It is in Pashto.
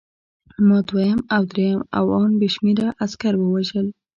ما دویم او درېیم او ان بې شمېره عسکر ووژل